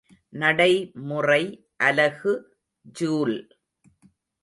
நடைமுறை அலகு ஜூல்.